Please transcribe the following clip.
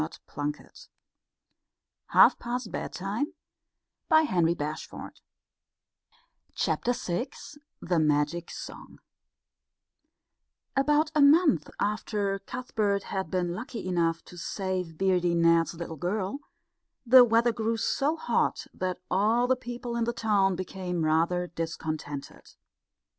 THE MAGIC SONG [Illustration: The Magic Song] VI THE MAGIC SONG About a month after Cuthbert had been lucky enough to save Beardy Ned's little girl, the weather grew so hot that all the people in the town became rather discontented.